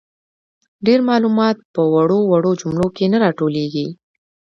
ډیر معلومات په وړو وړو جملو کي نه راټولیږي.